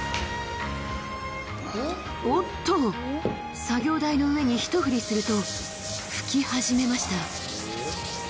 おっと！作業台の上に一振りすると拭き始めました